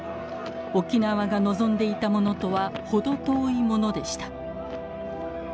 沖縄が望んでいたものとは程遠いものでした。